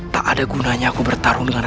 tidak akan kubiarkan